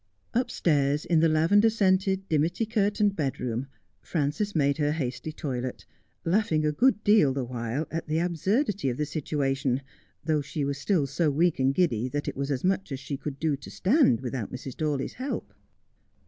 Upstairs in the lavender scented, dimity curtained bedroom Frances made her hasty toilet, laughing a good deal the while at the absurdity of the situation, though she was still so weak and giddy that it was as much as she could do to stand without Mrs. Dawley's help.